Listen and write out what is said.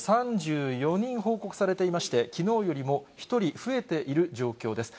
３４人報告されていまして、きのうよりも１人増えている状況です。